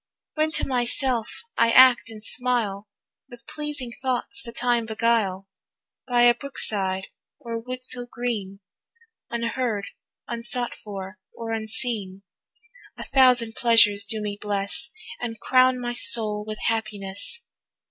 When to myself I act and smile, With pleasing thoughts the time beguile, By a brook side or wood so green, Unheard, unsought for, or unseen, A thousand pleasures do me bless, And crown my soul with happiness.